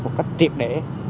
một cách triệt để